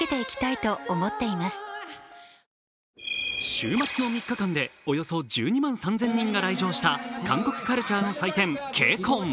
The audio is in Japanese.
週末の３日間でおよそ１２万３０００人が来場した韓国カルチャーの祭典、ＫＣＯＮ。